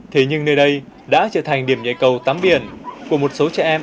thế nhưng nơi đây đã trở thành điểm nhảy cầu tắm biển của một số trẻ em